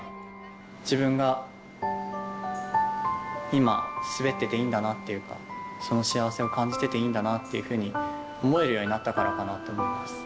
自分が今、滑ってていいんだなっていうか、その幸せを感じてていいんだなというふうに思えるようになったか